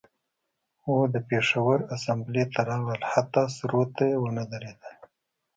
و د پیښور اسامبلۍ ته راغلل حتی سرود ته یې ونه دریدل